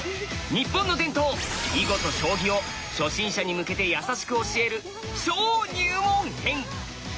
日本の伝統囲碁と将棋を初心者に向けてやさしく教える超入門編！